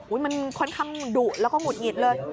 มันค่อนข้างดุแล้วก็หงุดหงิดเลย